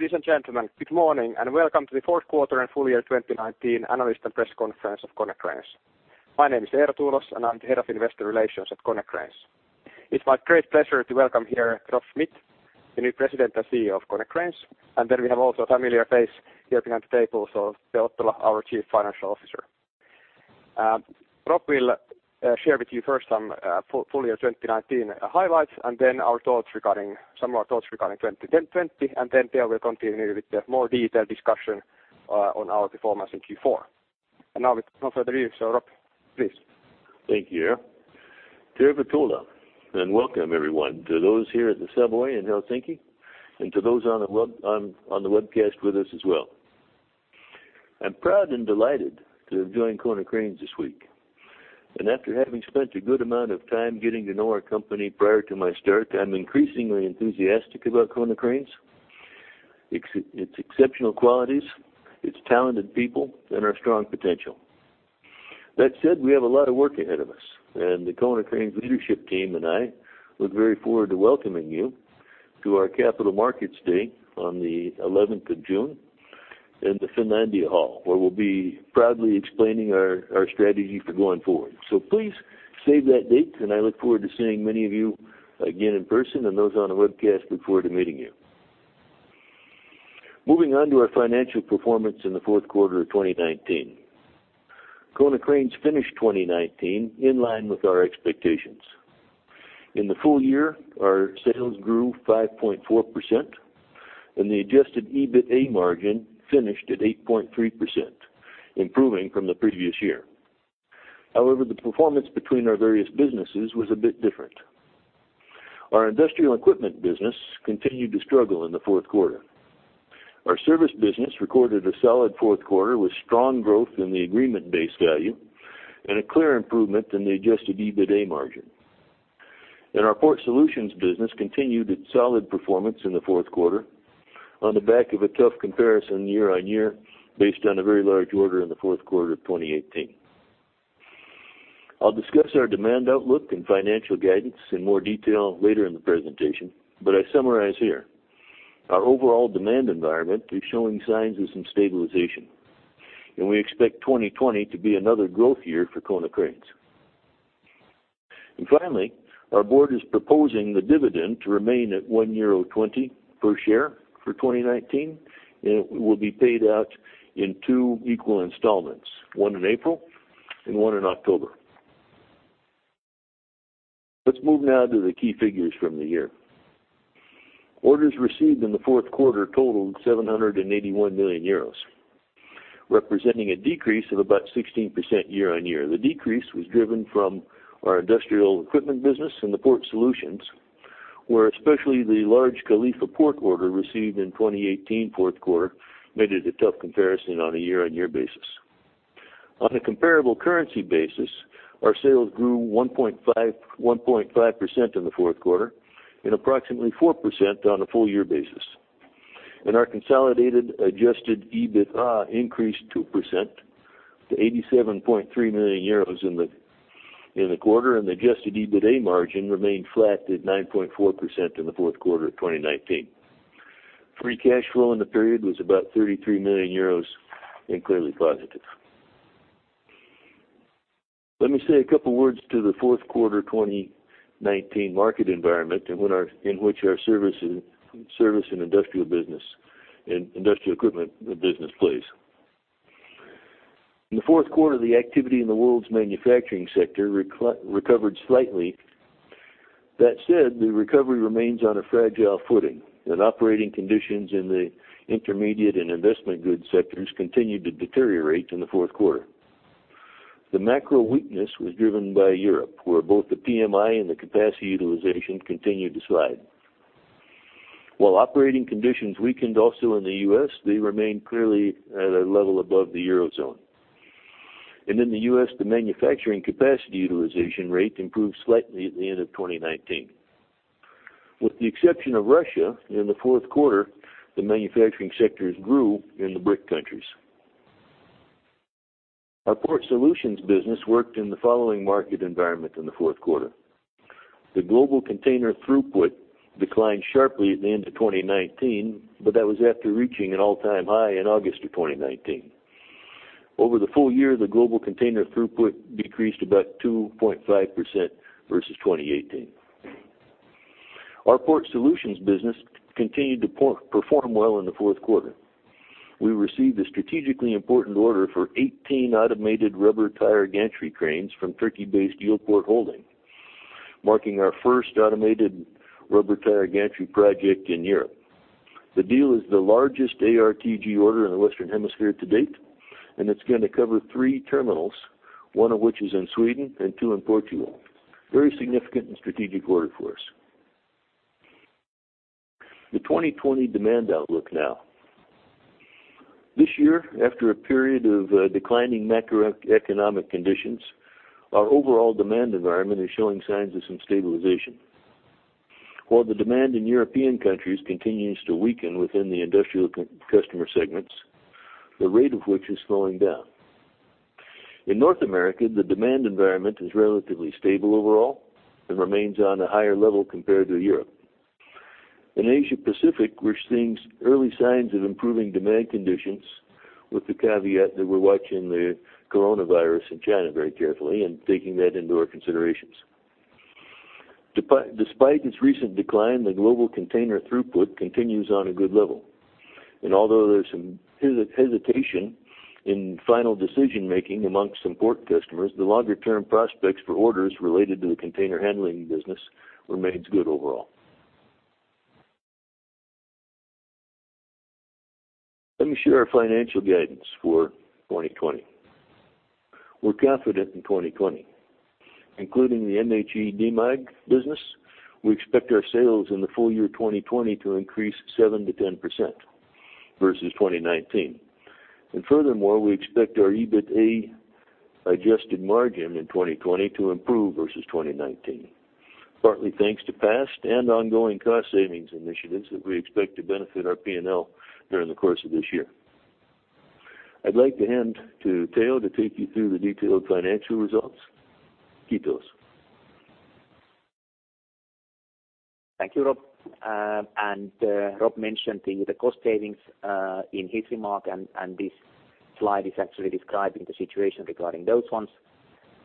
Ladies and gentlemen, good morning, and welcome to the Fourth Quarter and Full Year 2019 Analyst and Press Conference of Konecranes. My name is Eero Tuulos, and I'm the Head of Investor Relations at Konecranes. It's my great pleasure to welcome here Rob Smith, the new President and CEO of Konecranes, and then we have also a familiar face here behind the tables of Teo Ottola, our Chief Financial Officer. Rob will share with you first some full year 2019 highlights, and then our thoughts regarding some more thoughts regarding 2020, and then Teo will continue with the more detailed discussion on our performance in Q4. Now with no further ado, so Rob, please. Thank you, Eero, Teo Ottola, and welcome everyone to those here at the Savoy in Helsinki, and to those on the webcast with us as well. I'm proud and delighted to have joined Konecranes this week. After having spent a good amount of time getting to know our company prior to my start, I'm increasingly enthusiastic about Konecranes, its exceptional qualities, its talented people, and our strong potential. That said, we have a lot of work ahead of us, and the Konecranes leadership team and I look very forward to welcoming you to our Capital Markets Day on the 11th of June in the Finlandia Hall, where we'll be proudly explaining our strategy for going forward. Please save that date, and I look forward to seeing many of you again in person, and those on the webcast, look forward to meeting you. Moving on to our financial performance in the fourth quarter of 2019. Konecranes finished 2019 in line with our expectations. In the full year, our sales grew 5.4%, and the adjusted EBITA margin finished at 8.3%, improving from the previous year. However, the performance between our various businesses was a bit different. Our Industrial Equipment business continued to struggle in the fourth quarter. Our Service business recorded a solid fourth quarter with strong growth in the agreement base value and a clear improvement in the adjusted EBITA margin. And our Port Solutions business continued its solid performance in the fourth quarter on the back of a tough comparison year-on-year, based on a very large order in the fourth quarter of 2018. I'll discuss our demand outlook and financial guidance in more detail later in the presentation, but I summarize here. Our overall demand environment is showing signs of some stabilization, and we expect 2020 to be another growth year for Konecranes. And finally, our board is proposing the dividend to remain at 1.20 euro per share for 2019, and it will be paid out in two equal installments, one in April and one in October. Let's move now to the key figures from the year. Orders received in the fourth quarter totaled 781 million euros, representing a decrease of about 16% year-on-year. The decrease was driven from our Industrial Equipment business and the Port Solutions, where especially the large Khalifa Port order received in 2018, fourth quarter, made it a tough comparison on a year-on-year basis. On a comparable currency basis, our sales grew 1.5%, 1.5% in the fourth quarter and approximately 4% on a full year basis. And our consolidated adjusted EBITDA increased 2% to 87.3 million euros in the quarter, and the adjusted EBITA margin remained flat at 9.4% in the fourth quarter of 2019. Free cash flow in the period was about 33 million euros and clearly positive. Let me say a couple words to the fourth quarter 2019 market environment, in which our Service and Industrial business, and Industrial Equipment business plays. In the fourth quarter, the activity in the world's manufacturing sector recovered slightly. That said, the recovery remains on a fragile footing, and operating conditions in the intermediate and investment goods sectors continued to deteriorate in the fourth quarter. The macro weakness was driven by Europe, where both the PMI and the capacity utilization continued to slide. While operating conditions weakened also in the U.S., they remained clearly at a level above the eurozone. And in the U.S., the manufacturing capacity utilization rate improved slightly at the end of 2019. With the exception of Russia, in the fourth quarter, the manufacturing sectors grew in the BRIC countries. Our Port Solutions business worked in the following market environment in the fourth quarter. The global container throughput declined sharply at the end of 2019, but that was after reaching an all-time high in August of 2019. Over the full year, the global container throughput decreased about 2.5% versus 2018. Our Port Solutions business continued to perform well in the fourth quarter. We received a strategically important order for 18 Automated Rubber-Tired Gantry Cranes from Turkey-based Yilport Holding, marking our first automated rubber-tired gantry project in Europe. The deal is the largest ARTG order in the Western Hemisphere to date, and it's going to cover three terminals, one of which is in Sweden and two in Portugal. Very significant and strategic order for us. The 2020 demand outlook now. This year, after a period of declining macroeconomic conditions, our overall demand environment is showing signs of some stabilization. While the demand in European countries continues to weaken within the industrial customer segments, the rate of which is slowing down. In North America, the demand environment is relatively stable overall and remains on a higher level compared to Europe. In Asia Pacific, we're seeing early signs of improving demand conditions, with the caveat that we're watching the coronavirus in China very carefully and taking that into our considerations. Despite its recent decline, the global container throughput continues on a good level. And although there's some hesitation in final decision-making amongst important customers, the longer term prospects for orders related to the container handling business remains good overall. Let me share our financial guidance for 2020. We're confident in 2020, including the MHE-Demag business, we expect our sales in the full year 2020 to increase 7%-10% versus 2019. Furthermore, we expect our EBITA adjusted margin in 2020 to improve versus 2019, partly thanks to past and ongoing cost savings initiatives that we expect to benefit our P&L during the course of this year. I'd like to hand to Teo to take you through the detailed financial results. Keep those. Thank you, Rob. Rob mentioned the cost savings in his remark, and this slide is actually describing the situation regarding those ones,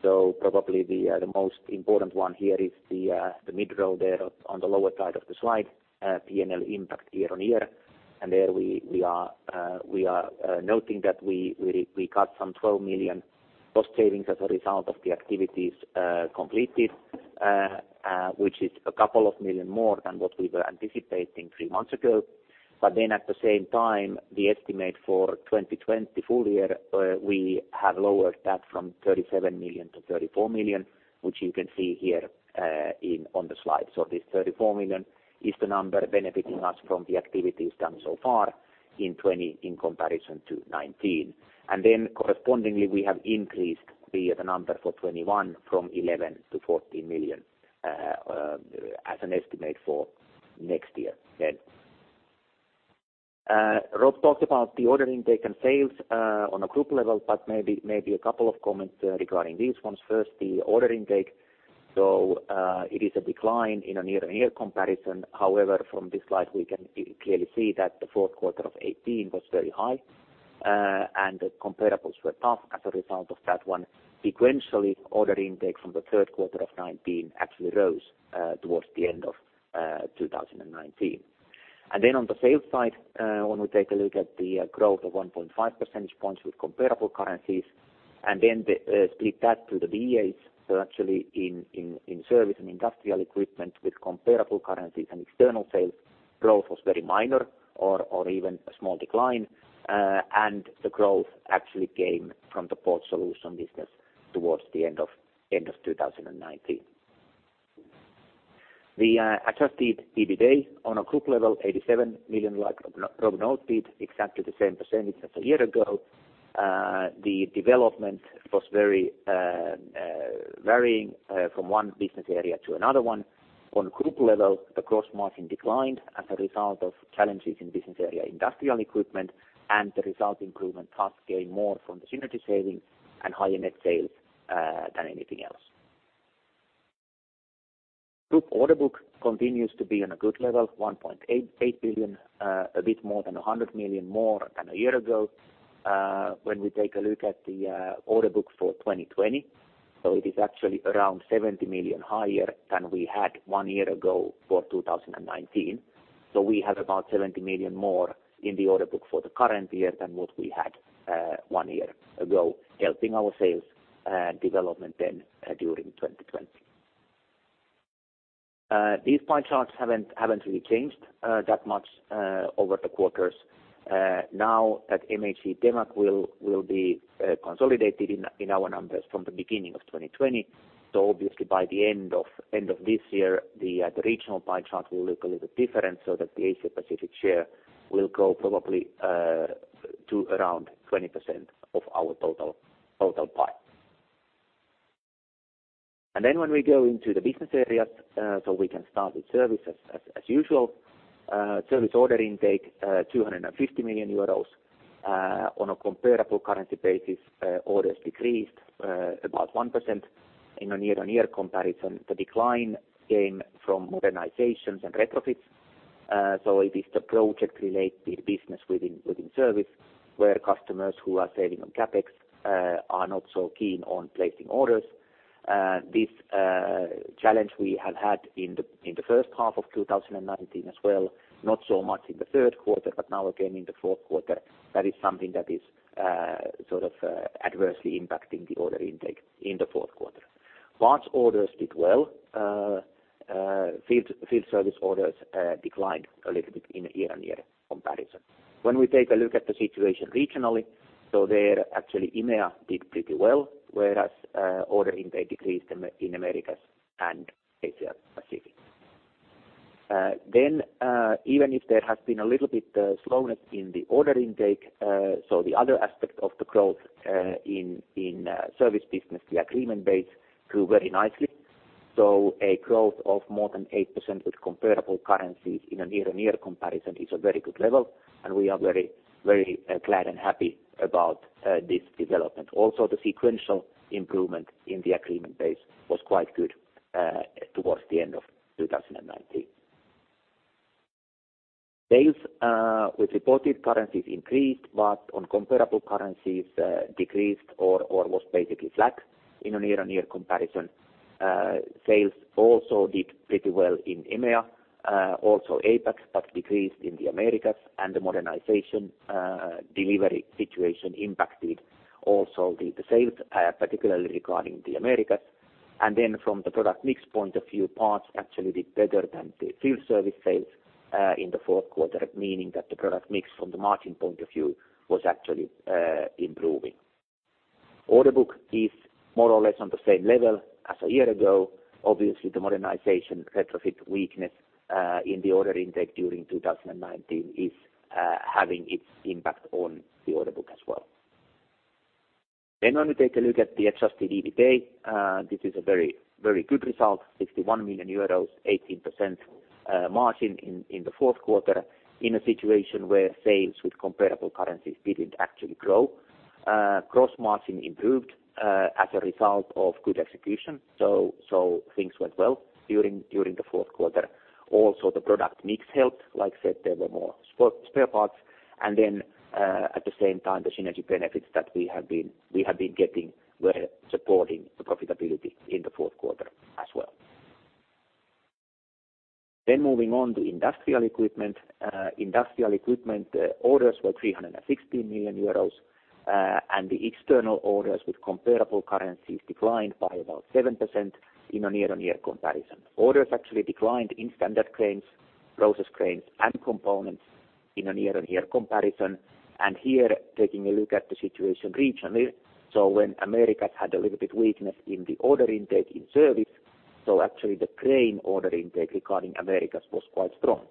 so probably the most important one here is the mid row there on the lower side of the slide, P&L impact year-on-year, and there we are noting that we got some 12 million cost savings as a result of the activities completed, which is a couple of million more than what we were anticipating three months ago, but then at the same time, the estimate for 2020 full year we have lowered that from 37 million to 34 million, which you can see here on the slide. This 34 million is the number benefiting us from the activities done so far in 2020 in comparison to 2019. Correspondingly, we have increased the number for 2021 from 11 million to 14 million as an estimate for next year then. Rob talked about the order intake and sales on a group level, but maybe a couple of comments regarding these ones. First, the order intake. It is a decline in a year-on-year comparison. However, from this slide, we can clearly see that the fourth quarter of 2018 was very high, and the comparables were tough as a result of that one. Sequentially, order intake from the third quarter of 2019 actually rose towards the end of 2019. Then on the sales side, when we take a look at the growth of 1.5 percentage points with comparable currencies, and then the split that to the BAs, so actually in Service and Industrial Equipment with comparable currencies and external sales, growth was very minor or even a small decline, and the growth actually came from the Port Solution business towards the end of 2019. The adjusted EBITDA on a group level, 87 million, like Rob noted, exactly the same percentage as a year ago. The development was very varying from one business area to another one. On group level, the gross margin declined as a result of challenges in business area, Industrial Equipment, and the result improvement path gain more from the synergy saving and higher net sales than anything else. Group order book continues to be on a good level, 1.88 billion, a bit more than 100 million more than a year ago. When we take a look at the order book for 2020, so it is actually around 70 million higher than we had one year ago for 2019. So we have about 70 million more in the order book for the current year than what we had one year ago, helping our sales development then during 2020. These pie charts haven't really changed that much over the quarters. Now that MHE-Demag will be consolidated in our numbers from the beginning of 2020. Obviously, by the end of this year, the regional pie chart will look a little different so that the Asia Pacific share will go probably to around 20% of our total pie. Then when we go into the business areas, we can start with Service as usual. Service order intake 250 million euros. On a comparable currency basis, orders decreased about 1% in a year-on-year comparison. The decline came from modernizations and retrofits. So it is the project-related business within service, where customers who are saving on CapEx are not so keen on placing orders. This challenge we have had in the first half of 2019 as well, not so much in the third quarter, but now again in the fourth quarter, that is something that is sort of adversely impacting the order intake in the fourth quarter. Parts orders did well. Field service orders declined a little bit in a year-on-year comparison. When we take a look at the situation regionally, so there, actually, EMEA did pretty well, whereas order intake decreased in the Americas and Asia Pacific. Even if there has been a little bit slowness in the order intake, so the other aspect of the growth in Service business, the agreement base, grew very nicely. A growth of more than 8% with comparable currencies in a year-on-year comparison is a very good level, and we are very, very, glad and happy about this development. Also, the sequential improvement in the agreement base was quite good towards the end of 2019. Sales with reported currencies increased, but on comparable currencies decreased or was basically flat in a year-on-year comparison. Sales also did pretty well in EMEA, also APAC, but decreased in the Americas, and the modernization delivery situation impacted also the sales, particularly regarding the Americas. From the product mix point of view, parts actually did better than the field service sales in the fourth quarter, meaning that the product mix from the margin point of view was actually improving. Order book is more or less on the same level as a year ago. Obviously, the modernization retrofit weakness in the order intake during 2019 is having its impact on the order book as well. Then when we take a look at the adjusted EBITA, this is a very, very good result, 61 million euros, 18% margin in the fourth quarter, in a situation where sales with comparable currencies didn't actually grow. Gross margin improved as a result of good execution, so things went well during the fourth quarter. Also, the product mix helped. Like I said, there were more spare parts. And then, at the same time, the synergy benefits that we have been getting were supporting the profitability in the fourth quarter as well. Then moving on to Industrial Equipment. Industrial equipment orders were 316 million euros, and the external orders with comparable currencies declined by about 7% in a year-on-year comparison. Orders actually declined in standard cranes, process cranes, and components in a year-on-year comparison, and here, taking a look at the situation regionally, so when Americas had a little bit weakness in the order intake in service, so actually the crane order intake regarding Americas was quite strong.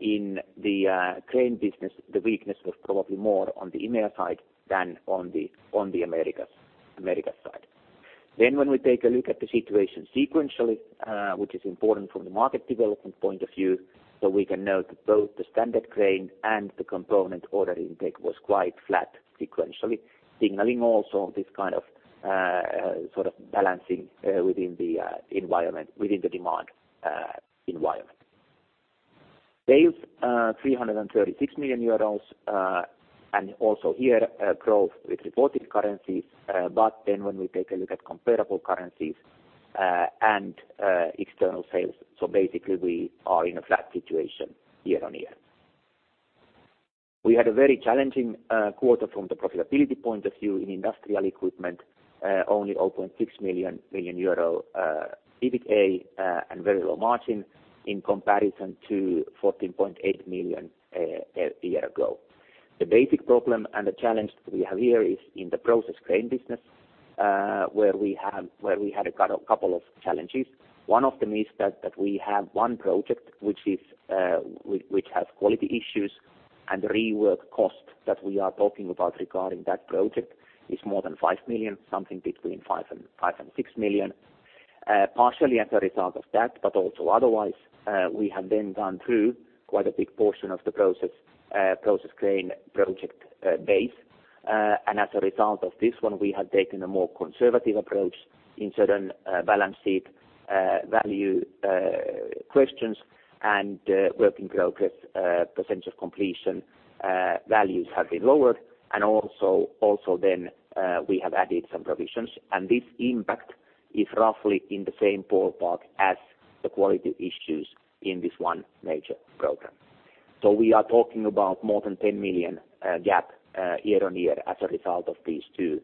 In the crane business, the weakness was probably more on the EMEA side than on the Americas side. Then when we take a look at the situation sequentially, which is important from the market development point of view, so we can note that both the standard crane and the component order intake was quite flat sequentially, signaling also this kind of, sort of balancing, within the environment, within the demand environment. Sales 336 million euros, and also here, growth with reported currencies, but then when we take a look at comparable currencies, and external sales, so basically we are in a flat situation year-on-year. We had a very challenging quarter from the profitability point of view in Industrial Equipment, only 0.6 million EBITA, and very low margin in comparison to 14.8 million a year ago. The basic problem and the challenge we have here is in the process crane business, where we have where we had a couple of challenges. One of them is that we have one project which is, which has quality issues, and the rework cost that we are talking about regarding that project is more than 5 million, something between 5 million and 6 million. Partially as a result of that, but also otherwise, we have then gone through quite a big portion of the process, process crane project base. And as a result of this one, we have taken a more conservative approach in certain balance sheet value questions, and work in progress percentage of completion values have been lowered. And also then we have added some provisions, and this impact is roughly in the same ballpark as the quality issues in this one major program. So we are talking about more than 10 million gap year-on-year as a result of these two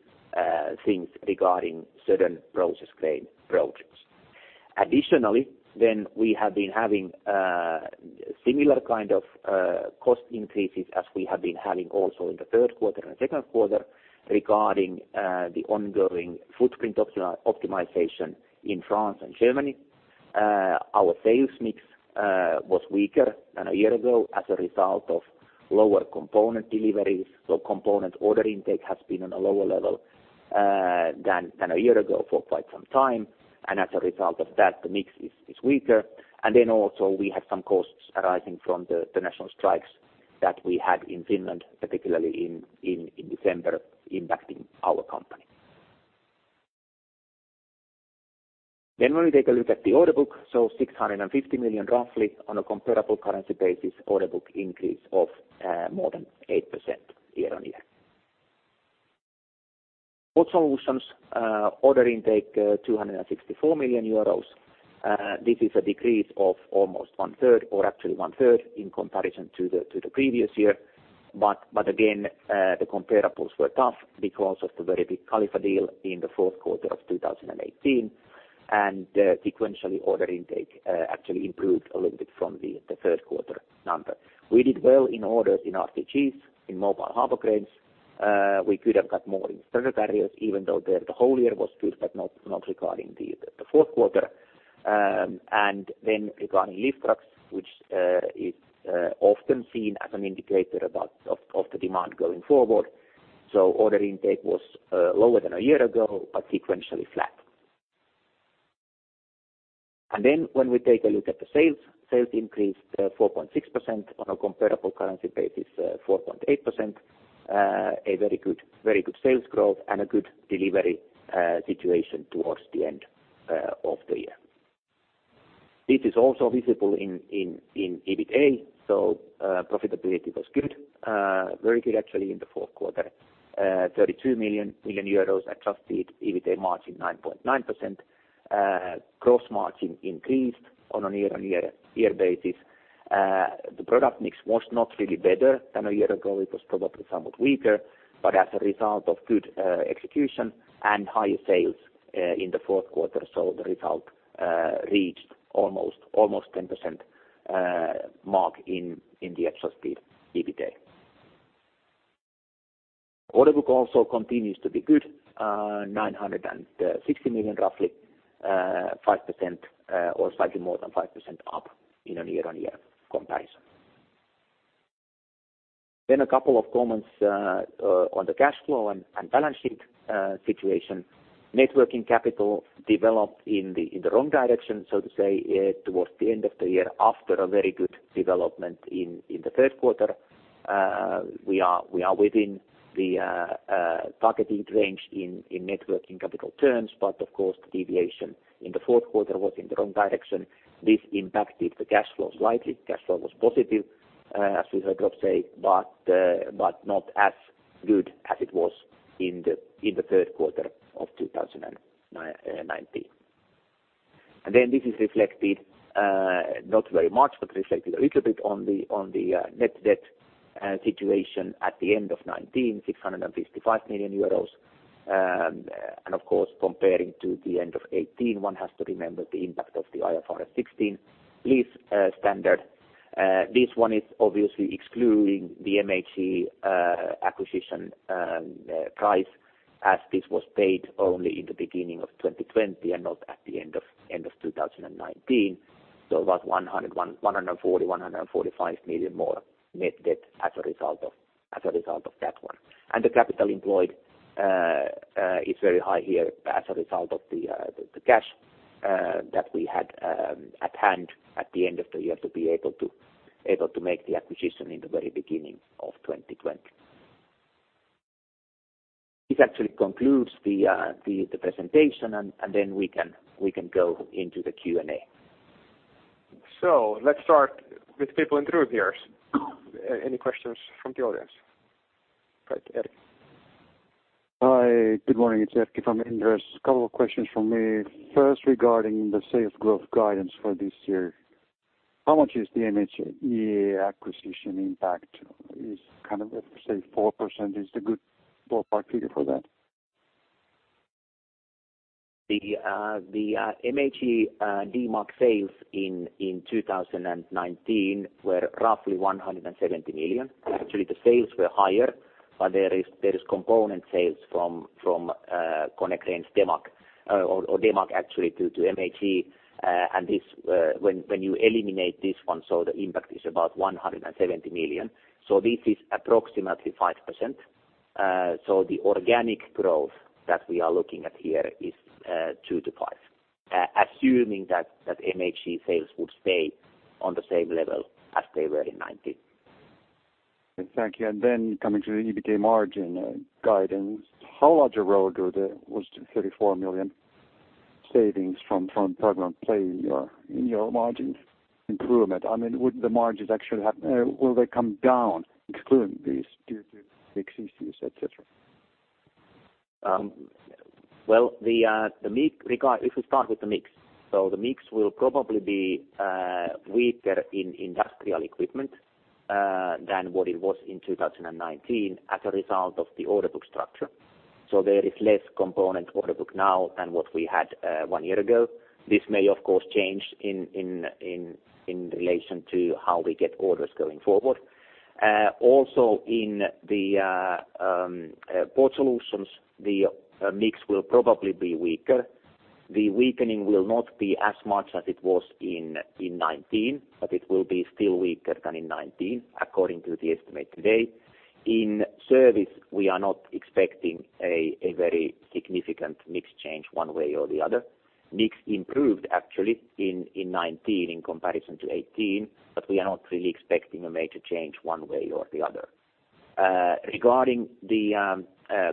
things regarding certain process crane projects. Additionally then we have been having similar kind of cost increases as we have been having also in the third quarter and second quarter regarding the ongoing footprint optimization in France and Germany. Our sales mix was weaker than a year ago as a result of lower component deliveries. So component order intake has been on a lower level than a year ago for quite some time. And as a result of that, the mix is weaker. We had some costs arising from the national strikes that we had in Finland, particularly in December, impacting our company. When we take a look at the order book, 650 million, roughly, on a comparable currency basis, order book increase of more than 8% year-on-year. Port Solutions order intake, 264 million euros. This is a decrease of almost one-third, or actually one-third, in comparison to the previous year. But again, the comparables were tough because of the very big Khalifa deal in the fourth quarter of 2018. Sequentially, order intake actually improved a little bit from the third quarter number. We did well in orders in RTGs, in mobile harbor cranes. We could have got more in straddle carriers, even though the whole year was good, but not regarding the fourth quarter. And then regarding lift trucks, which is often seen as an indicator about of the demand going forward. So order intake was lower than a year ago, but sequentially flat. And then when we take a look at the sales, sales increased 4.6%. On a comparable currency basis, 4.8%. A very good sales growth and a good delivery situation towards the end of the year. This is also visible in EBITA. So profitability was good, very good, actually, in the fourth quarter. 32 million euros adjusted EBITA margin 9.9%. Gross margin increased on a year-on-year basis. The product mix was not really better than a year ago. It was probably somewhat weaker, but as a result of good execution and higher sales in the fourth quarter. The result reached almost 10% mark in the adjusted EBITA. Order book also continues to be good, 960 million, roughly, 5% or slightly more than 5% up in a year-on-year comparison. A couple of comments on the cash flow and balance sheet situation. Net working capital developed in the wrong direction, so to say, towards the end of the year, after a very good development in the third quarter. We are within the targeted range in net working capital terms, but of course, the deviation in the fourth quarter was in the wrong direction. This impacted the cash flow slightly. Cash flow was positive, as we heard Rob say, but not as good as it was in the third quarter of 2019. This is reflected not very much, but a little bit on the net debt situation at the end of 2019, 655 million euros. Of course, comparing to the end of 2018, one has to remember the impact of the IFRS 16 lease standard. This one is obviously excluding the MHE acquisition price, as this was paid only in the beginning of 2020 and not at the end of 2019. So about 145 million more net debt as a result of that one. The capital employed is very high here as a result of the cash that we had at hand at the end of the year to be able to make the acquisition in the very beginning of 2020. This actually concludes the presentation, and then we can go into the Q&A. So let's start with people in the room here. Any questions from the audience? Right, Eric. Hi, good morning. It's Erkki from Inderes. A couple of questions from me. First, regarding the sales growth guidance for this year, how much is the MHE acquisition impact? Is kind of, let's say, 4%, is a good ballpark figure for that? The MHE-Demag sales in 2019 were roughly 170 million. Actually, the sales were higher, but there is component sales from Konecranes Demag, or Demag actually to MHE. And this, when you eliminate this one, so the impact is about 170 million. So this is approximately 5%. So the organic growth that we are looking at here is 2%-5%, assuming that MHE sales would stay on the same level as they were in 2019. Thank you. And then coming to the EBITA margin guidance, how large a role was the 34 million savings from program play in your margin improvement? I mean, would the margins actually have will they come down, excluding these due to mix issues, et cetera? If we start with the mix. So the mix will probably be weaker in Industrial Equipment than what it was in 2019, as a result of the order book structure. So there is less component order book now than what we had one year ago. This may, of course, change in relation to how we get orders going forward. Also, in the Port Solutions, the mix will probably be weaker. The weakening will not be as much as it was in 2019, but it will be still weaker than in 2019, according to the estimate today. In service, we are not expecting a very significant mix change one way or the other. Mix improved, actually, in 2019 in comparison to 2018, but we are not really expecting a major change one way or the other. Regarding the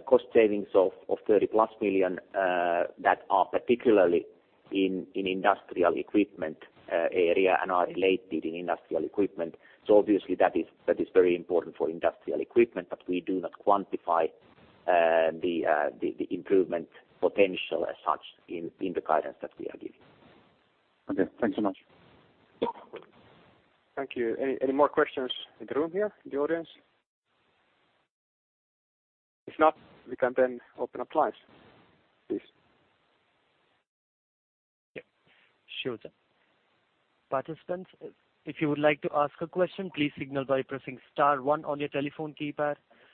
cost savings of 30-plus million that are particularly in Industrial Equipment area and are related in Industrial Equipment. Obviously that is very important for Industrial Equipment, but we do not quantify the improvement potential as such in the guidance that we are giving. Okay, thanks so much. Thank you. Any more questions in the room here, in the audience? If not, we can then open up live, please. Yeah, sure then. Participants, if you would like to ask a question, please signal by pressing star one on your telephone keypad.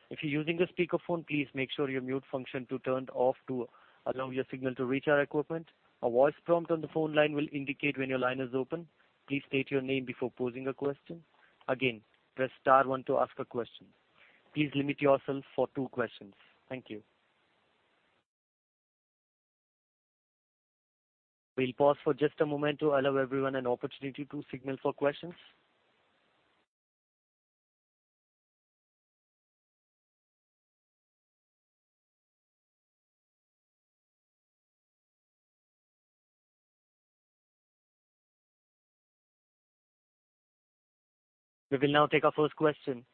If you're using a speakerphone, please make sure your mute function is turned off to allow your signal to reach our equipment. A voice prompt on the phone line will indicate when your line is open. Please state your name before posing a question. Again, press star one to ask a question. Please limit yourself to two questions. Thank you. We'll pause for just a moment to allow everyone an opportunity to signal for questions. We will now take our first question.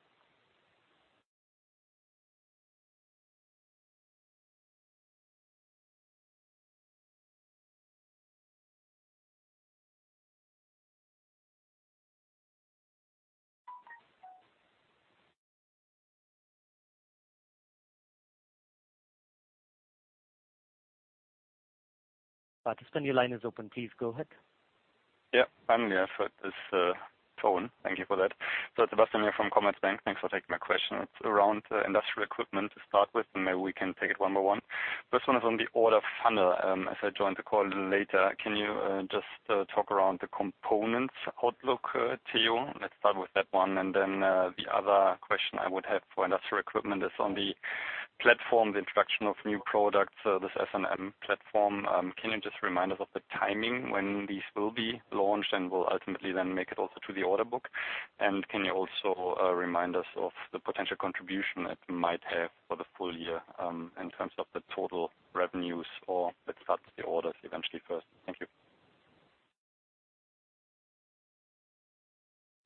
Participant, your line is open. Please go ahead. Yeah, I'm here for this phone. Thank you for that. So Sebastian here from Commerzbank. Thanks for taking my question. It's around Industrial Equipment to start with, and maybe we can take it one by one. First one is on the order funnel. As I joined the call a little later, can you just talk around the components outlook to you? Let's start with that one, and then the other question I would have for Industrial Equipment is on the platform, the introduction of new products, so this S and M platform. Can you just remind us of the timing when these will be launched and will ultimately then make it also to the order book? And can you also remind us of the potential contribution it might have for the full year, in terms of the total revenues or let's start the orders eventually first? Thank you.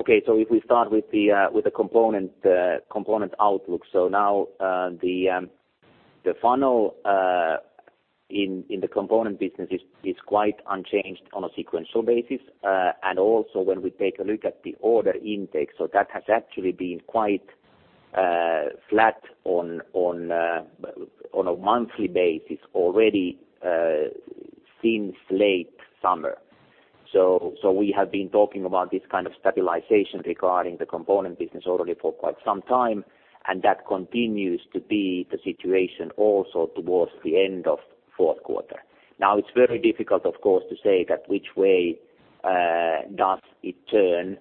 Okay. So if we start with the component outlook. So now, the funnel in the component business is quite unchanged on a sequential basis. And also when we take a look at the order intake, so that has actually been quite flat on a monthly basis already since late summer. So we have been talking about this kind of stabilization regarding the component business already for quite some time, and that continues to be the situation also towards the end of fourth quarter. Now, it's very difficult, of course, to say that which way does it turn,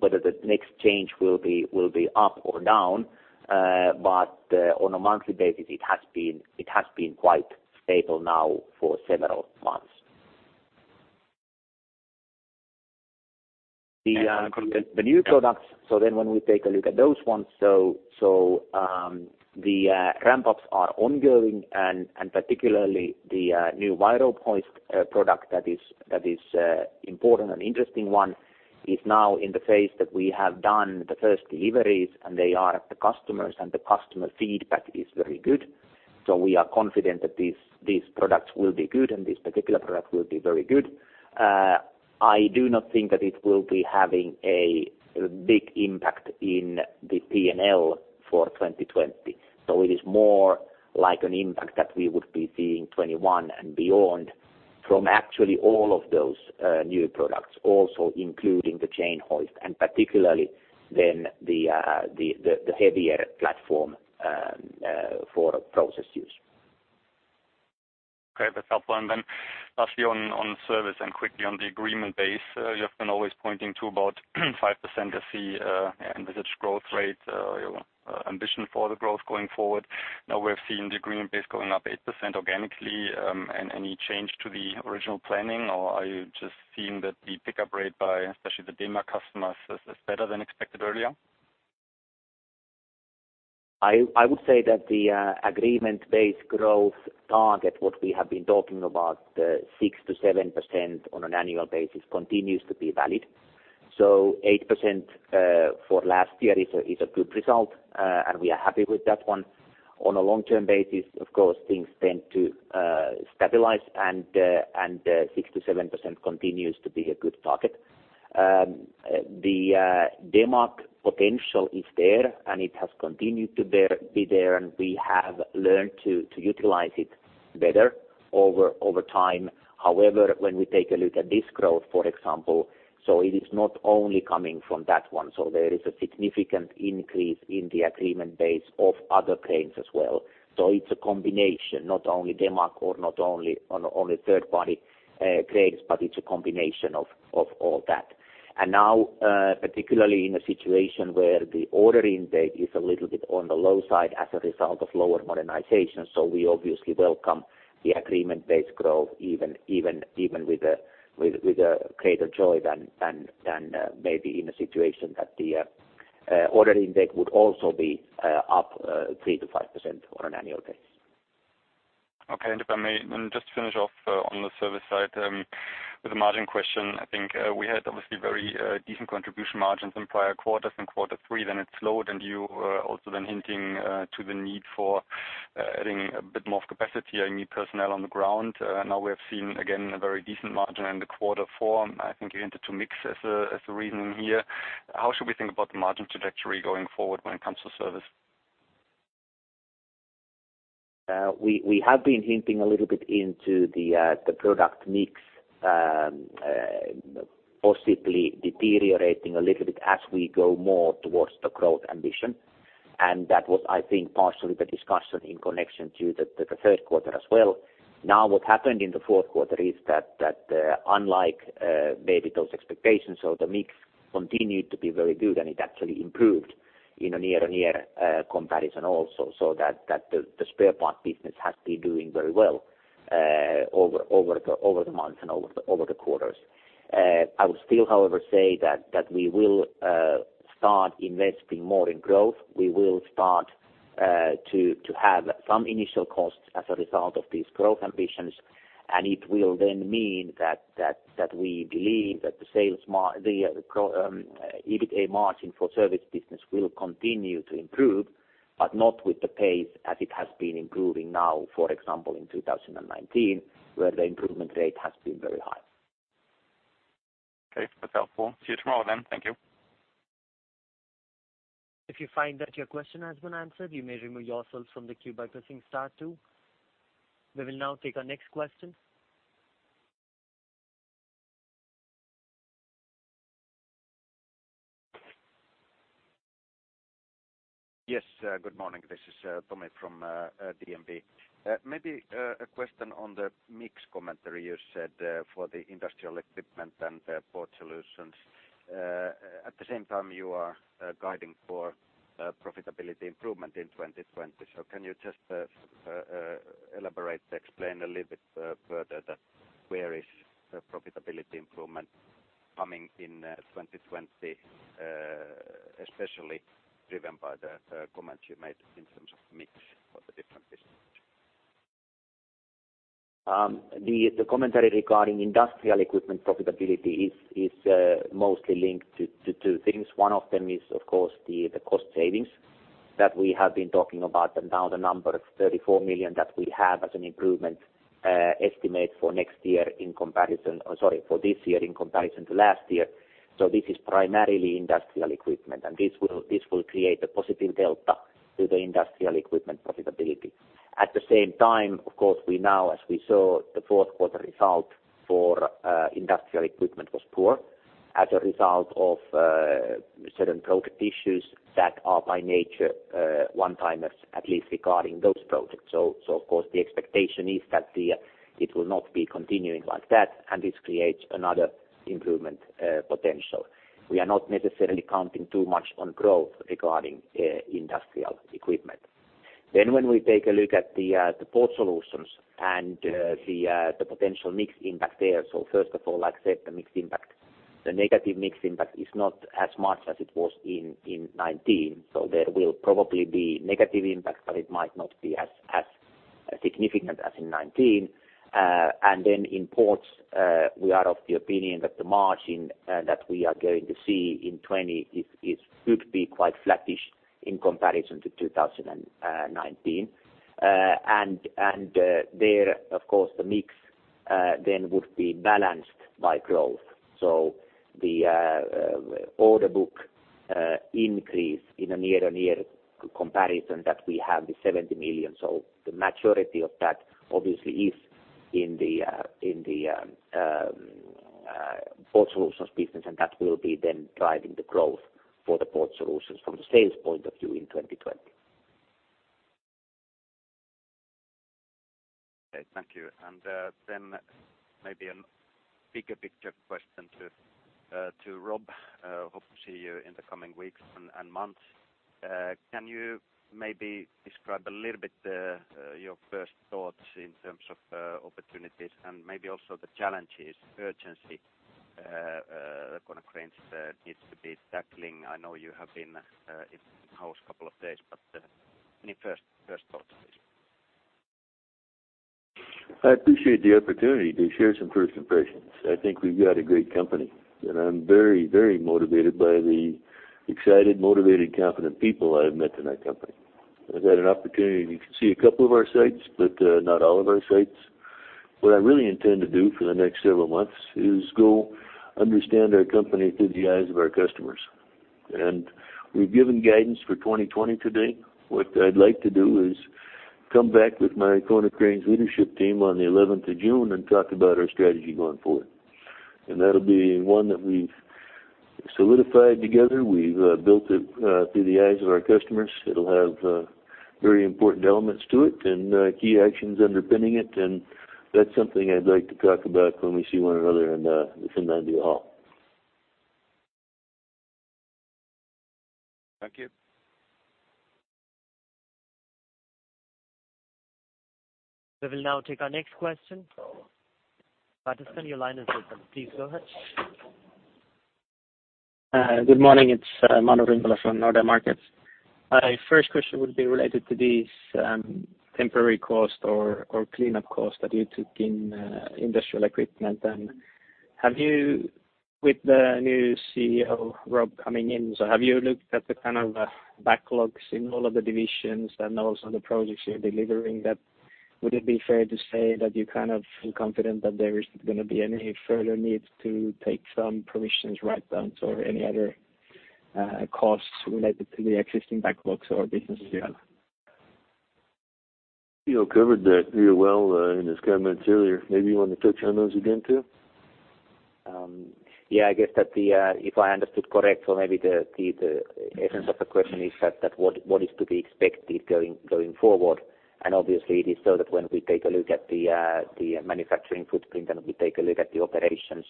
whether the next change will be up or down. But on a monthly basis, it has been quite stable now for several months. The new products, so then when we take a look at those ones, so, the ramp-ups are ongoing and, particularly the new wire rope hoist product that is important and interesting one, is now in the phase that we have done the first deliveries, and they are at the customers, and the customer feedback is very good. So we are confident that these products will be good, and this particular product will be very good. I do not think that it will be having a big impact in the P&L for 2020. So it is more like an impact that we would be seeing 2021 and beyond from actually all of those new products, also including the chain hoist, and particularly then the heavier platform for process use. Okay, that's helpful. And then lastly, on Service and quickly on the agreement base, you have been always pointing to about 5% of the envisaged growth rate, your ambition for the growth going forward. Now, we've seen the agreement base going up 8% organically, and any change to the original planning, or are you just seeing that the pickup rate by especially the Demag customers is better than expected earlier? I would say that the agreement-based growth target, what we have been talking about, the 6%-7% on an annual basis, continues to be valid. So 8% for last year is a good result, and we are happy with that one. On a long-term basis, of course, things tend to stabilize, and 6%-7% continues to be a good target. The Demag potential is there, and it has continued to be there, and we have learned to utilize it better over time. However, when we take a look at this growth, for example, so it is not only coming from that one. So there is a significant increase in the agreement base of other cranes as well. So it's a combination, not only Demag or not only on a third party cranes, but it's a combination of all that. And now, particularly in a situation where the order intake is a little bit on the low side as a result of lower modernization, so we obviously welcome the agreement base growth, even with a greater joy than maybe in a situation that the order intake would also be up 3%-5% on an annual basis. Okay. And if I may, then just to finish off, on the Service side, with a margin question, I think we had obviously very decent contribution margins in prior quarters. In quarter three, then it slowed, and you were also then hinting to the need for adding a bit more capacity and new personnel on the ground. Now we have seen, again, a very decent margin in the quarter four. I think you hinted to mix as a reason here. How should we think about the margin trajectory going forward when it comes to service? We have been hinting a little bit into the product mix, possibly deteriorating a little bit as we go more towards the growth ambition, and that was, I think, partially the discussion in connection to the third quarter as well. Now, what happened in the fourth quarter is that, unlike maybe those expectations, so the mix continued to be very good, and it actually improved in a year-on-year comparison also, so that the spare parts business has been doing very well over the months and over the quarters. I would still, however, say that we will start investing more in growth. We will start to have some initial costs as a result of these growth ambitions, and it will then mean that we believe that the sales margin, the pro forma EBITA margin for Service business will continue to improve, but not with the pace as it has been improving now, for example, in 2019, where the improvement rate has been very high. Okay, that's helpful. See you tomorrow then. Thank you. If you find that your question has been answered, you may remove yourselves from the queue by pressing star two. We will now take our next question. Yes, good morning. This is Tomi Railo from DNB. Maybe a question on the mix commentary you said for the Industrial Equipment and Port Solutions. At the same time, you are guiding for profitability improvement in 2020. So can you just elaborate, explain a little bit further that where is the profitability improvement coming in 2020, especially driven by the comments you made in terms of mix for the different businesses? The commentary regarding Industrial Equipment profitability is mostly linked to two things. One of them is, of course, the cost savings that we have been talking about, and now the number of 34 million that we have as an improvement estimate for this year in comparison to last year. This is primarily Industrial Equipment, and this will create a positive delta to the Industrial Equipment profitability. At the same time, of course, we now, as we saw, the fourth quarter result for Industrial Equipment was poor as a result of certain project issues that are by nature one-timers, at least regarding those projects. So, of course, the expectation is that it will not be continuing like that, and this creates another improvement potential. We are not necessarily counting too much on growth regarding Industrial Equipment. Then when we take a look at the Port Solutions and the potential mix impact there, so first of all, like I said, the mix impact, the negative mix impact is not as much as it was in 2019. So there will probably be negative impact, but it might not be as significant as in 2019. And then in ports, we are of the opinion that the margin that we are going to see in 2020 could be quite flattish in comparison to 2019. And there, of course, the mix then would be balanced by growth. So the order book increase in a year-on-year comparison that we have the 70 million. So the maturity of that obviously is in the Port Solutions business, and that will be then driving the growth for the Port Solutions from the sales point of view in 2020. Okay, thank you. And then maybe a bigger picture question to Rob. Hope to see you in the coming weeks and months. Can you maybe describe a little bit your first thoughts in terms of opportunities and maybe also the challenges, urgency Konecranes needs to be tackling? I know you have been in-house a couple of days, but any first thoughts, please. I appreciate the opportunity to share some first impressions. I think we've got a great company, and I'm very, very motivated by the excited, motivated, confident people I have met in our company. I've had an opportunity to see a couple of our sites, but not all of our sites. What I really intend to do for the next several months is go understand our company through the eyes of our customers, and we've given guidance for 2020 today. What I'd like to do is come back with my Konecranes leadership team on the eleventh of June and talk about our strategy going forward, and that'll be one that we've solidified together. We've built it through the eyes of our customers. It'll have very important elements to it and key actions underpinning it, and that's something I'd like to talk about when we see one another within Finlandia Hall. Thank you. We will now take our next question. Just keep your line open, please go ahead. Good morning, it's Manu Rimpelä from Nordea Markets. My first question would be related to these temporary cost or cleanup costs that you took in Industrial Equipment. And have you, with the new CEO, Rob, coming in, so have you looked at the kind of backlogs in all of the divisions and also the projects you're delivering that would it be fair to say that you're kind of confident that there isn't gonna be any further need to take some provisions write-downs or any other- costs related to the existing backlogs or businesses you have? You all covered that pretty well, in his comments earlier. Maybe you want to touch on those again, too? Yeah, I guess that if I understood correct, or maybe the essence of the question is that what is to be expected going forward? And obviously, it is so that when we take a look at the manufacturing footprint, and we take a look at the operations,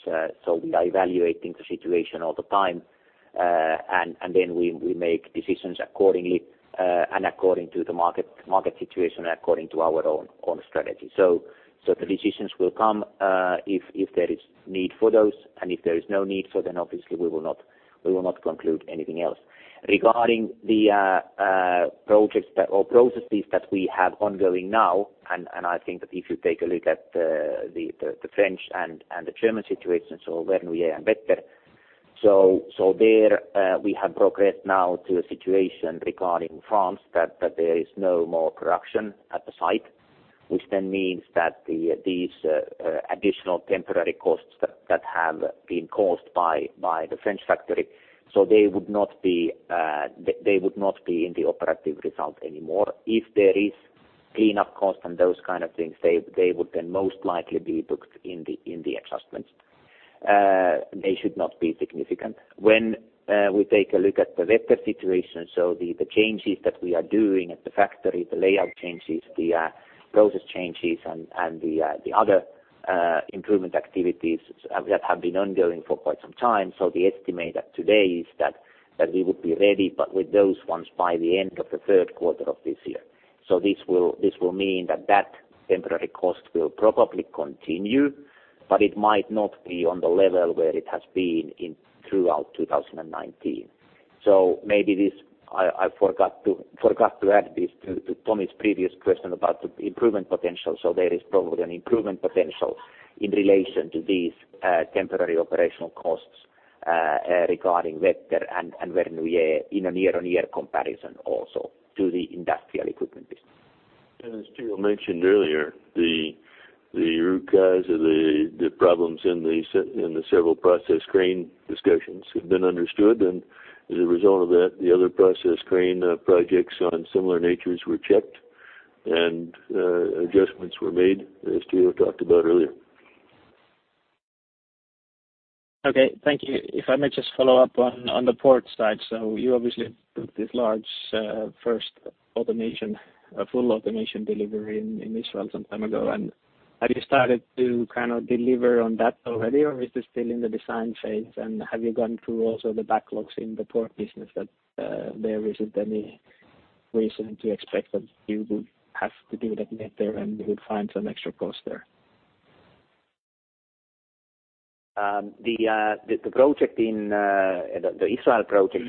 so we are evaluating the situation all the time, and then we make decisions accordingly, and according to the market situation, according to our own strategy. So the decisions will come, if there is need for those, and if there is no need for, then obviously we will not conclude anything else. Regarding the projects that or processes that we have ongoing now, and I think that if you take a look at the French and the German situation, so Vernouillet and Wetter. So there we have progressed now to a situation regarding France, that there is no more production at the site, which then means that these additional temporary costs that have been caused by the French factory, so they would not be in the operative result anymore. If there is cleanup costs and those kind of things, they would then most likely be booked in the adjustments. They should not be significant. When we take a look at the Wetter situation, so the changes that we are doing at the factory, the layout changes, the process changes and the other improvement activities have been ongoing for quite some time. So the estimate at today is that we would be ready, but with those ones by the end of the third quarter of this year. So this will mean that temporary cost will probably continue, but it might not be on the level where it has been in throughout 2019. So maybe this, I forgot to add this to Tommy's previous question about the improvement potential. There is probably an improvement potential in relation to these temporary operational costs regarding Wetter and Vernouillet in a year-on-year comparison also to the Industrial Equipment business. As Teo mentioned earlier, the root cause of the problems in the several process crane discussions have been understood, and as a result of that, the other process crane projects on similar natures were checked, and adjustments were made, as Teo talked about earlier. Okay, thank you. If I may just follow up on the port side. So you obviously took this large first automation, a full automation delivery in Israel some time ago. And have you started to kind of deliver on that already, or is this still in the design phase, and have you gone through also the backlogs in the port business that there isn't any reason to expect that you would have to do that better and you would find some extra costs there? The project in the Israel project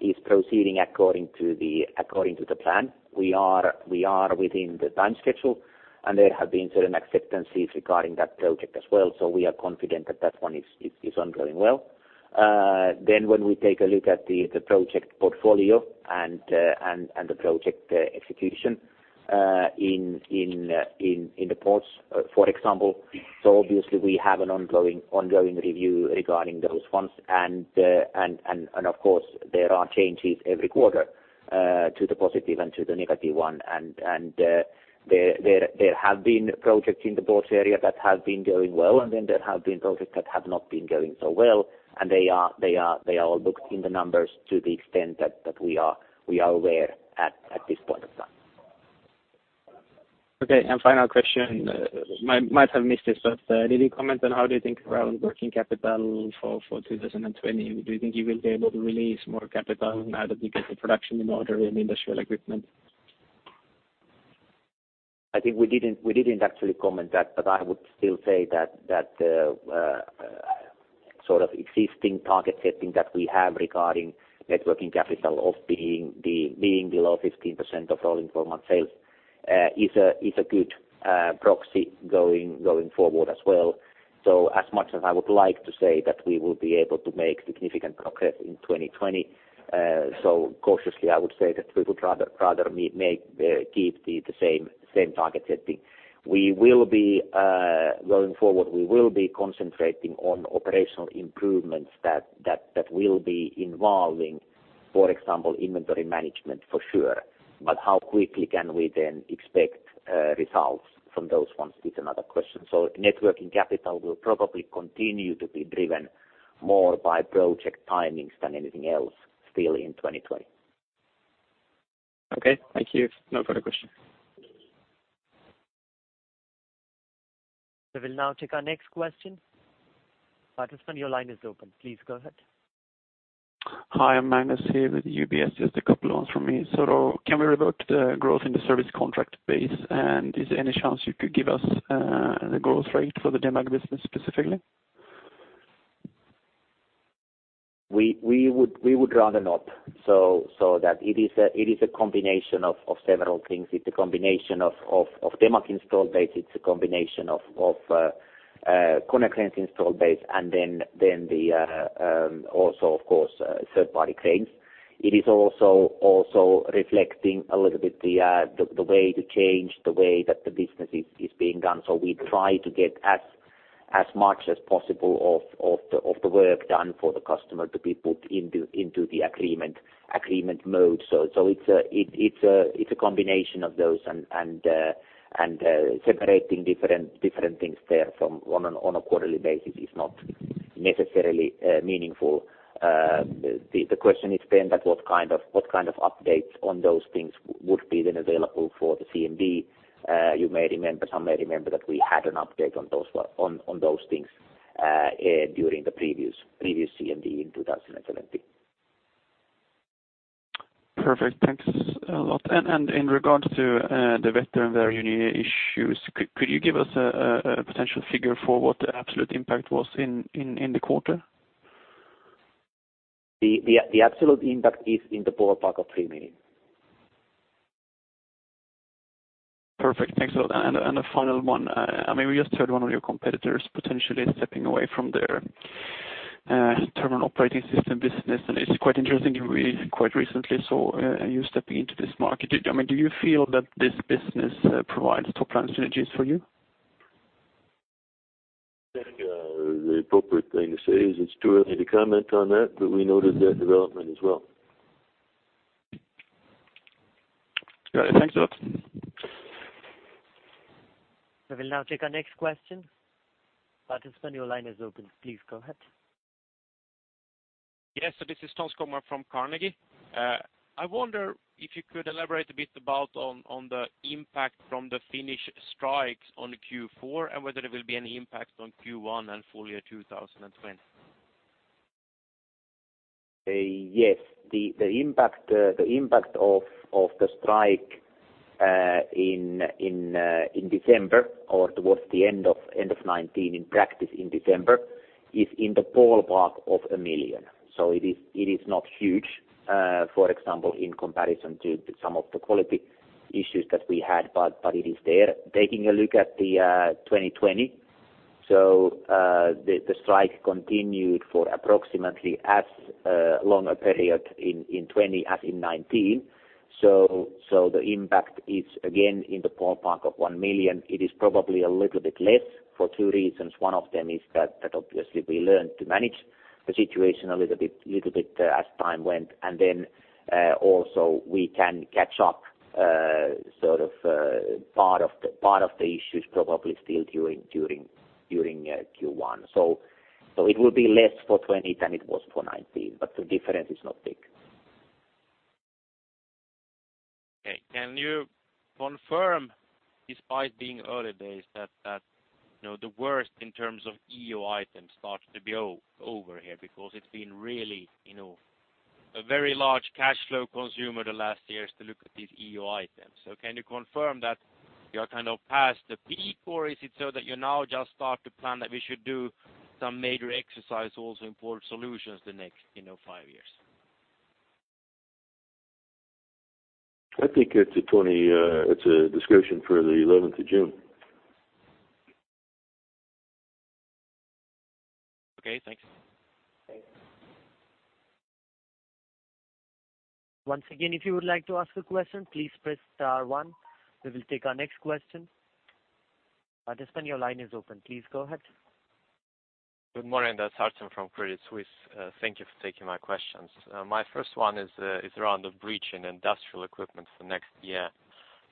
is proceeding according to the plan. We are within the time schedule, and there have been certain acceptances regarding that project as well, so we are confident that that one is ongoing well. Then when we take a look at the project portfolio and the project execution in the ports, for example, so obviously we have an ongoing review regarding those ones. And of course, there are changes every quarter to the positive and to the negative one. There have been projects in the port area that have been going well, and then there have been projects that have not been going so well, and they are all booked in the numbers to the extent that we are aware at this point in time. Okay, and final question. Might have missed this, but did you comment on how do you think around working capital for 2020? Do you think you will be able to release more capital now that you get the production in order in Industrial Equipment? I think we didn't actually comment that, but I would still say that sort of existing target setting that we have regarding net working capital of being below 15% of rolling 12 month sales is a good proxy going forward as well. So as much as I would like to say that we will be able to make significant progress in 2020, so cautiously, I would say that we would rather keep the same target setting. We will be going forward, we will be concentrating on operational improvements that will be involving, for example, inventory management for sure. But how quickly can we then expect results from those ones is another question. Net working capital will probably continue to be driven more by project timings than anything else still in 2020. Okay, thank you. No further question. We will now take our next question. Participant, your line is open. Please go ahead. Hi, I'm Magnus Kruber here with UBS. Just a couple ones from me. So can we report the growth in the Service contract base? And is there any chance you could give us the growth rate for the Demag business specifically? We would rather not. That it is a combination of several things. It's a combination of Demag installed base, it's a combination of Konecranes installed base, and then also, of course, third-party cranes. It is also reflecting a little bit the way, the change, the way that the business is being done. So we try to get as much as possible of the work done for the customer to be put into the agreement mode. It's a combination of those and separating different things therefrom on a quarterly basis is not necessarily meaningful. The question is then what kind of updates on those things would be then available for the CMD? You may remember, some may remember that we had an update on those, well, on those things, during the previous CMD in 2017. Perfect, thanks a lot. And in regards to the Vernouillet union issues, could you give us a potential figure for what the absolute impact was in the quarter? The absolute impact is in the ballpark of 3 million. Perfect, thanks a lot. And the final one, I mean, we just heard one of your competitors potentially stepping away from their terminal operating system business, and it's quite interesting that we quite recently saw you stepping into this market. I mean, do you feel that this business provides top line synergies for you? I think, the appropriate thing to say is it's too early to comment on that, but we noted their development as well. Got it. Thanks a lot. We will now take our next question. Participant, your line is open. Please go ahead. Yes, so this is Tom Skogman from Carnegie. I wonder if you could elaborate a bit about the impact from the Finnish strikes on Q4, and whether there will be any impact on Q1 and full year 2020. Yes. The impact of the strike in December or towards the end of 2019, in practice in December, is in the ballpark of 1 million. So it is not huge, for example, in comparison to some of the quality issues that we had, but it is there. Taking a look at 2020, so the strike continued for approximately as long a period in 2020 as in 2019. So the impact is again in the ballpark of 1 million. It is probably a little bit less for two reasons. One of them is that obviously we learned to manage the situation a little bit, little bit, as time went, and then also we can catch up, sort of, part of the issues probably still during Q1. So it will be less for 2020 than it was for 2019, but the difference is not big. Okay. Can you confirm, despite being early days, that you know, the worst in terms of EO items starts to be over here? Because it's been really, you know, a very large cash flow consumer the last years to look at these EO items. So can you confirm that you are kind of past the peak, or is it so that you now just start to plan that we should do some major exercise also in Port Solutions the next, you know, five years? I think it's a 2020, it's a discussion for the 11th of June. Okay, thanks. Once again, if you would like to ask a question, please press star one. We will take our next question. Participant, your line is open. Please go ahead. Good morning, that's Artem from Credit Suisse. Thank you for taking my questions. My first one is around the break in Industrial Equipment for next year.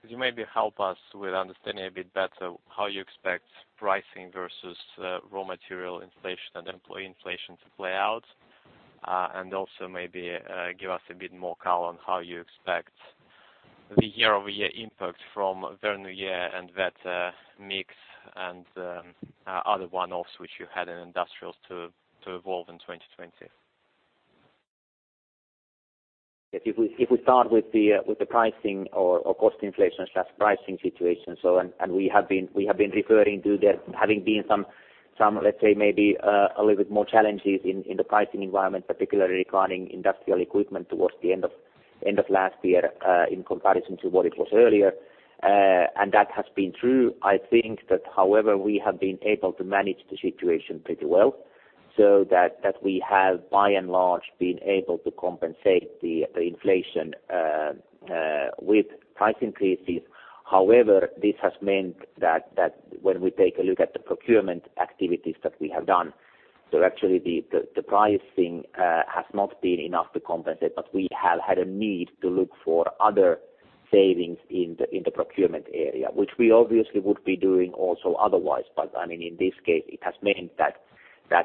Could you maybe help us with understanding a bit better how you expect pricing versus raw material inflation and employee inflation to play out? And also maybe give us a bit more color on how you expect the year-over-year impact from Vernouillet and Wetter mix and other one-offs which you had in industrials to evolve in 2020. If we start with the pricing or cost inflation slash pricing situation, so, and we have been referring to there having been some, let's say, maybe a little bit more challenges in the pricing environment, particularly regarding Industrial Equipment towards the end of last year in comparison to what it was earlier. That has been true. I think that, however, we have been able to manage the situation pretty well, so that we have, by and large, been able to compensate the inflation with price increases. However, this has meant that when we take a look at the procurement activities that we have done, so actually the pricing has not been enough to compensate, but we have had a need to look for other savings in the procurement area, which we obviously would be doing also otherwise. But I mean, in this case, it has meant that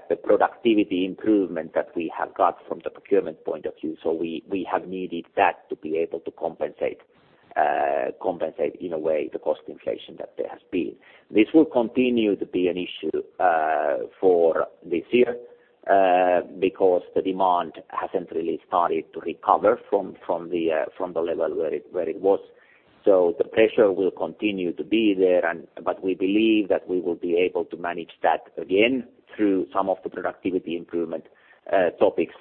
the productivity improvement that we have got from the procurement point of view, so we have needed that to be able to compensate in a way the cost inflation that there has been. This will continue to be an issue for this year because the demand hasn't really started to recover from the level where it was. So the pressure will continue to be there and, but we believe that we will be able to manage that again, through some of the productivity improvement topics,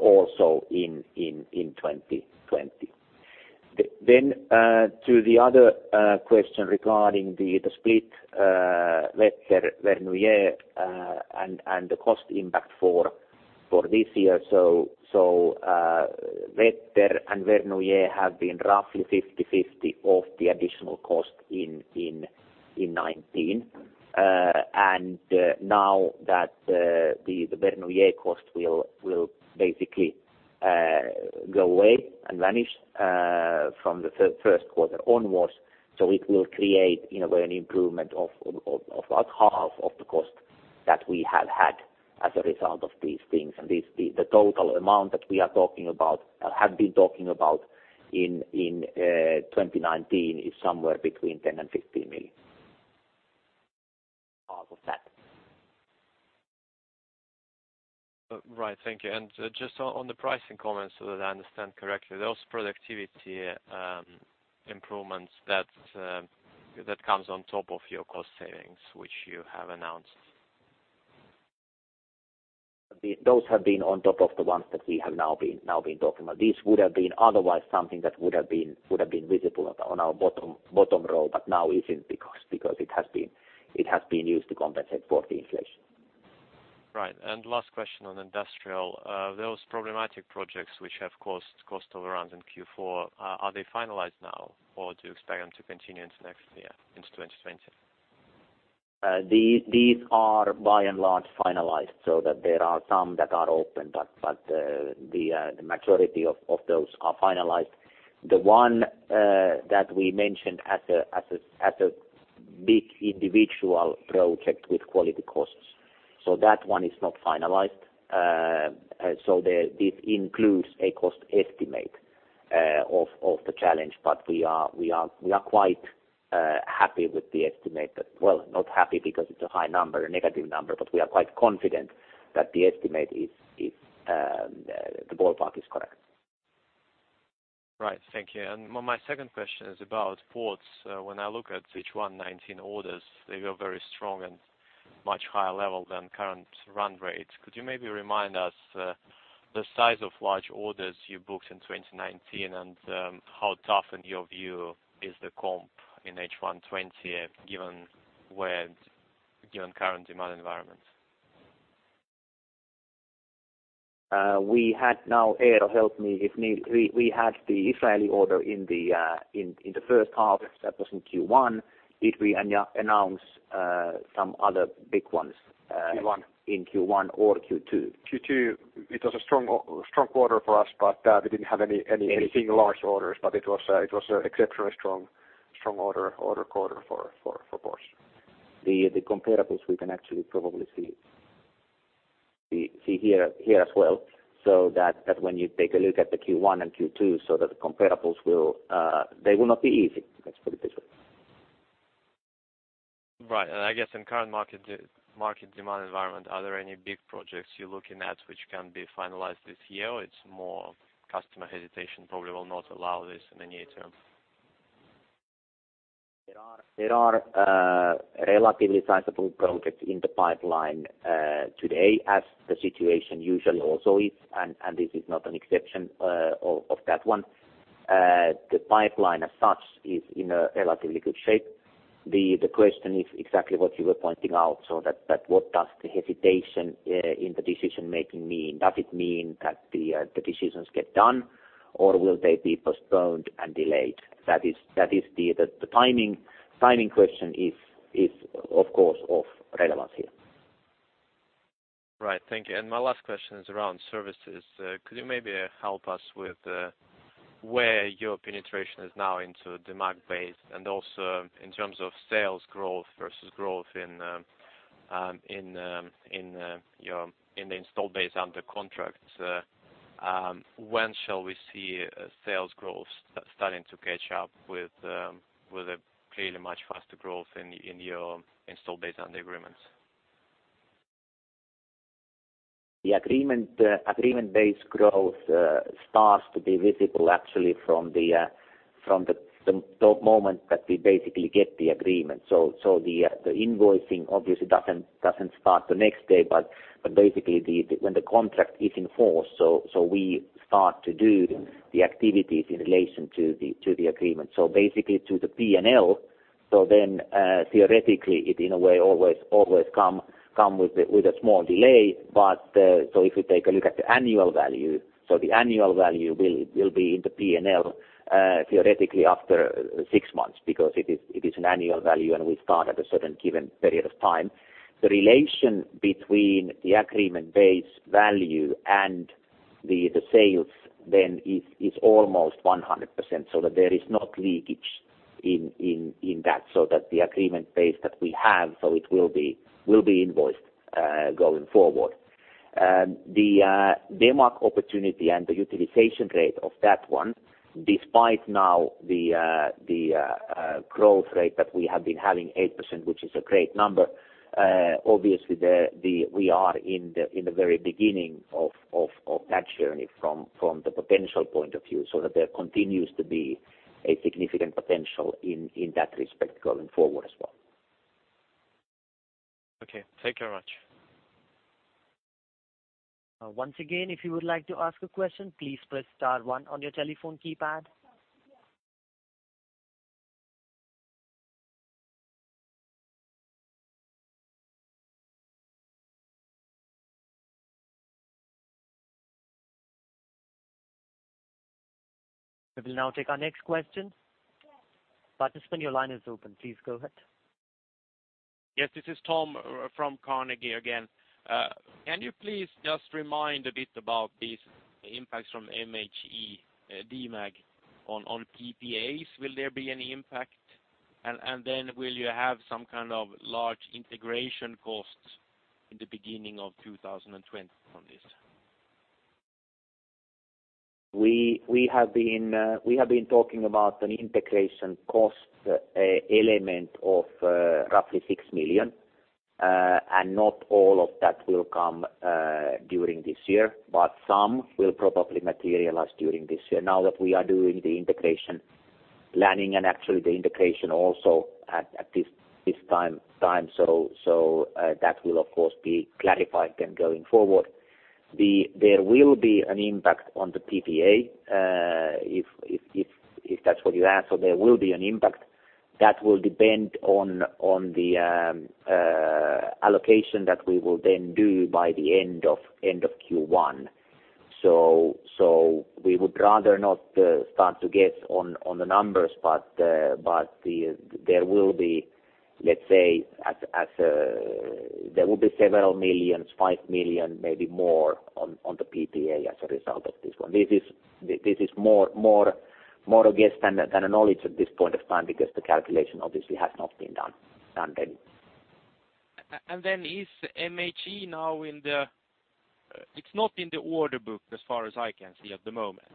also in 2020. Then, to the other question regarding the split, Wetter and Vernouillet, and the cost impact for this year, so, Wetter and Vernouillet have been roughly 50/50 of the additional cost in 2019. And, now that the Vernouillet cost will basically go away and vanish, from the first quarter onwards, so it will create, in a way, an improvement of about half of the cost that we have had as a result of these things. And this, the total amount that we are talking about, have been talking about in 2019 is somewhere between 10 million and 15 million. Half of that. Right. Thank you. And just on the pricing comments, so that I understand correctly, those productivity improvements that comes on top of your cost savings, which you have announced. Those have been on top of the ones that we have now been talking about. This would have been otherwise something that would have been visible on our bottom row, but now isn't, because it has been used to compensate for the inflation. Right. And last question on industrial. Those problematic projects which have cost overruns in Q4, are they finalized now, or do you expect them to continue into next year, into 2020? These are by and large finalized, so that there are some that are open, but the majority of those are finalized. The one that we mentioned as a big individual project with quality costs, so that one is not finalized. So this includes a cost estimate of the challenge, but we are quite happy with the estimate that... Well, not happy because it's a high number, a negative number, but we are quite confident that the estimate is the ballpark is correct. Right. Thank you. And my, my second question is about ports. When I look at Q1 2019 orders, they were very strong and much higher level than current run rate. Could you maybe remind us the size of large orders you booked in 2019? And how tough, in your view, is the comp in H1 2020, given where, given current demand environment? We had now, Eero, help me if need. We had the Israeli order in the first half. That was in Q1. Did we announce some other big ones? Q1. In Q1 or Q2? Q2, it was a strong quarter for us, but we didn't have any large orders. But it was an exceptionally strong order quarter for ports. The comparables we can actually probably see. We see here as well, so that when you take a look at the Q1 and Q2, so that the comparables will, they will not be easy. Let's put it this way. Right. And I guess in current market demand environment, are there any big projects you're looking at which can be finalized this year, or it's more customer hesitation probably will not allow this in the near term? There are relatively sizable projects in the pipeline today, as the situation usually also is, and this is not an exception of that one. The pipeline as such is in a relatively good shape. The question is exactly what you were pointing out, so that what does the hesitation in the decision-making mean? Does it mean that the decisions get done, or will they be postponed and delayed? That is the timing question is, of course, of relevance here. Right. Thank you. And my last question is around services. Could you maybe help us with where your penetration is now into the market base, and also in terms of sales growth versus growth in the installed base under contract? When shall we see sales growth starting to catch up with a clearly much faster growth in your installed base under agreements? The agreement-based growth starts to be visible actually from the moment that we basically get the agreement. So, the invoicing obviously doesn't start the next day, but basically when the contract is in force, so we start to do the activities in relation to the agreement. So basically to the P&L, so then theoretically, it in a way always comes with a small delay, but so if you take a look at the annual value, so the annual value will be in the P&L theoretically after six months, because it is an annual value, and we start at a certain given period of time. The relation between the agreement base value and the sales then is almost 100%, so that there is not leakage in that, so that the agreement base that we have so it will be invoiced going forward. The demand opportunity and the utilization rate of that one, despite now the growth rate that we have been having, 8%, which is a great number, obviously we are in the very beginning of that journey from the potential point of view, so that there continues to be a significant potential in that respect going forward as well. Okay, thank you very much. Once again, if you would like to ask a question, please press star one on your telephone keypad. We will now take our next question. Participant, your line is open. Please go ahead. Yes, this is Tom from Carnegie again. Can you please just remind a bit about these impacts from MHE-Demag on PPAs? Will there be any impact? And then will you have some kind of large integration costs in the beginning of 2020 from this? We have been talking about an integration cost element of roughly 6 million, and not all of that will come during this year, but some will probably materialize during this year. Now that we are doing the integration planning and actually the integration also at this time, so that will of course be clarified then going forward. There will be an impact on the PPA, if that's what you ask. So there will be an impact that will depend on the allocation that we will then do by the end of Q1. So we would rather not start to guess on the numbers, but there will be, let's say, at... There will be several millions, 5 million, maybe more, on the PPA as a result of this one. This is more a guess than a knowledge at this point of time, because the calculation obviously has not been done then. And then, is MHE now in the order book? It's not in the order book as far as I can see at the moment.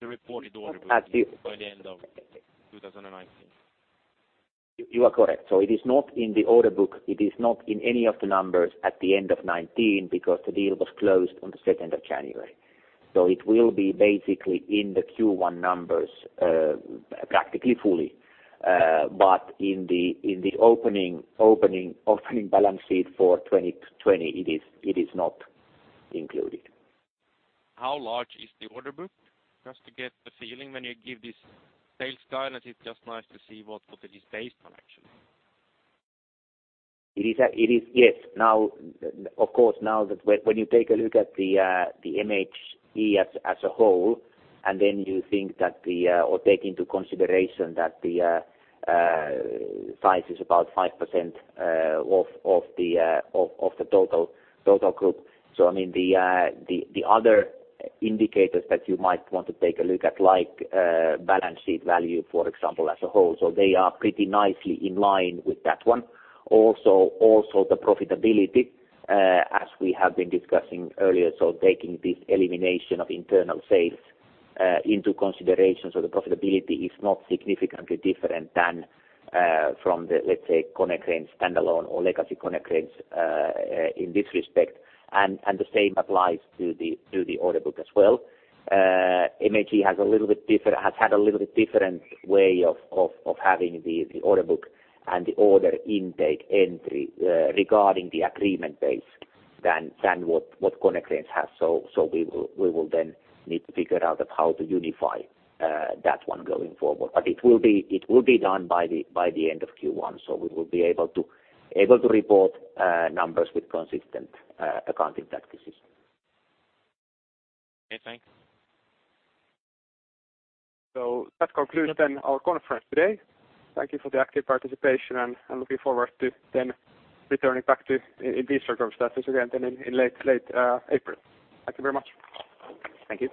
The reported order book- At the- -by the end of 2019. You are correct. So it is not in the order book. It is not in any of the numbers at the end of 2019, because the deal was closed on the second of January. So it will be basically in the Q1 numbers, practically fully. But in the opening balance sheet for 2020, it is not included. How large is the order book? Just to get the feeling when you give this sales guidance, it's just nice to see what it is based on, actually. It is. Yes. Now, of course, now that when you take a look at the MHE as a whole, and then you think that the. Or take into consideration that the size is about 5% of the total group. So I mean, the other indicators that you might want to take a look at, like balance sheet value, for example, as a whole, so they are pretty nicely in line with that one. Also, the profitability, as we have been discussing earlier, so taking this elimination of internal sales into consideration. So the profitability is not significantly different than from the, let's say, Konecranes standalone or legacy Konecranes in this respect, and the same applies to the order book as well. MHE has had a little bit different way of having the order book and the order intake entry regarding the agreement base than what Konecranes has. So we will then need to figure out how to unify that one going forward. But it will be done by the end of Q1, so we will be able to report numbers with consistent accounting practices. Okay, thanks. So that concludes then our conference today. Thank you for the active participation, and I'm looking forward to then returning back to in-business status again then in late April. Thank you very much. Thank you.